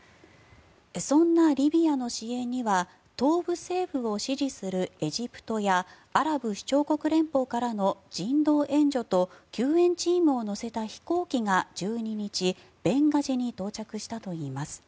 そんなリビアの支援には東部政府を支持するエジプトやアラブ首長国連邦からの人道援助と救援チームを乗せた飛行機が１２日ベンガジに到達したといいます。